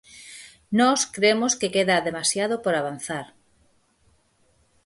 Nós cremos que queda demasiado por avanzar.